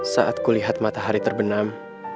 saat kulihat matahari terbenam